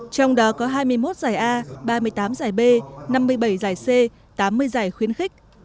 trong đó có hai mươi một giải a ba mươi tám giải b năm mươi bảy giải c tám mươi giải khuyến khích